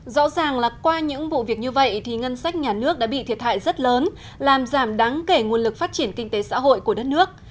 rõ ràng là qua những vụ việc như vậy thì ngân sách nhà nước đã bị thiệt hại rất lớn làm giảm đáng kể nguồn lực phát triển kinh tế xã hội của đất nước